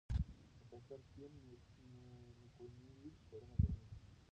پروفیسر کیون میکونوی څېړنه جامع ګڼي.